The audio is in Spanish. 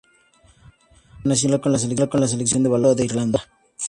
Ha sido internacional con la Selección de baloncesto de Irlanda.